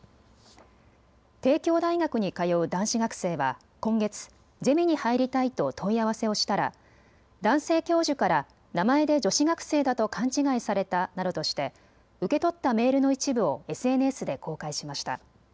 帝京大学に通う男子学生は今月、ゼミに入りたいと問い合わせをしたら男性教授から名前で女子学生だと勘違いされたなどとして受け取ったメールの一部をＳＮＳで公開しました。